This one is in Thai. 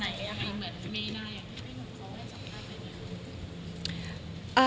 ให้มันขอสัมภาษณ์กับคุณคะ